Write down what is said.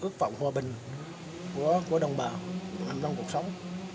ước vọng hòa bình của đồng bào trong cuộc sống